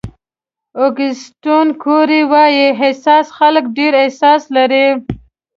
اوګسټو کوري وایي حساس خلک ډېر احساس لري.